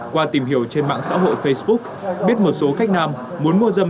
qua tìm hiểu trên mạng xã hội facebook biết một số khách nam muốn mua dâm